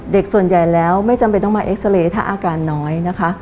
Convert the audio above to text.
ส่วนใหญ่แล้วไม่จำเป็นต้องมาเอ็กซาเรย์ถ้าอาการน้อยนะคะ